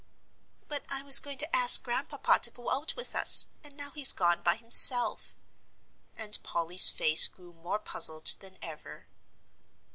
"But I was going to ask Grandpapa to go out with us, and now he's gone by himself," and Polly's face grew more puzzled than ever.